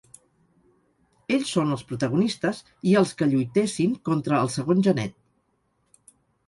Ells són els protagonistes, i els que lluitessin contra el segon Genet.